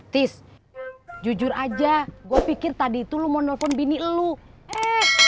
tis jujur aja gua pikir tadi itu lu mau nelfon bini lu eh